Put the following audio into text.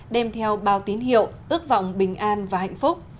đem theo bao tín hiệu ước vọng bình an và hạnh phúc